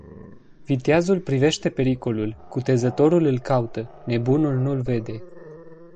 Viteazul privește pericolul; cutezătorul îl caută; nebunul nu-l vede.